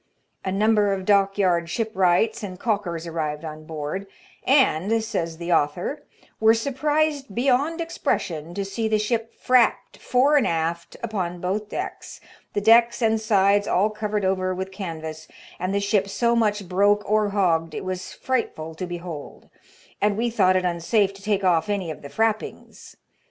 A number of dockyard shipwrights and caulkers arrived on board, " and," says the author, were surprised beyond expression to see the ship frapped fore and aft upon both decks, the decks and sides all covered over with canvas, and the ship so much broke or hogged, it was frightful to behold ; and we thought it unsafe to take off any of the frappings."